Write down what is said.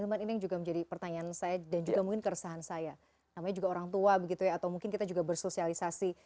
ini yang juga menjadi pertanyaan saya dan juga mungkin keresahan saya namanya juga orang tua begitu ya atau mungkin kita juga bersosialisasi